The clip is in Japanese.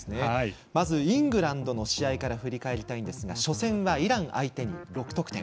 まずイングランドの試合から振り返りたいんですが初戦はイラン相手に６得点。